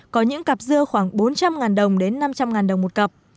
có những cặp dưa khoảng bốn trăm linh đồng đến năm trăm linh đồng một cặp